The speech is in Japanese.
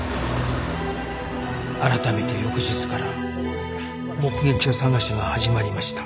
改めて翌日から目撃者捜しが始まりました